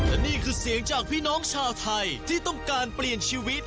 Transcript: และนี่คือเสียงจากพี่น้องชาวไทยที่ต้องการเปลี่ยนชีวิต